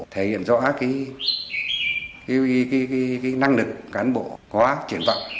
thể hiện rõ năng lực cán bộ có triển vọng